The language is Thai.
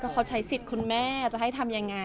เขาใช้สิทธิ์คุณแม่จะให้ทำยังไง